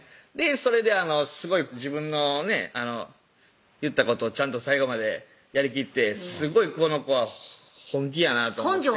それですごい自分の言ったことちゃんと最後までやりきってすごいこの子は本気やなと思って